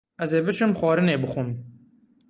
Ez ê biçim xwarinê bixwim.